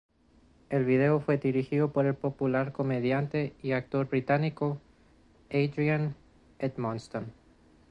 El video fue dirigido por el popular comediante y actor británico Adrian Edmondson.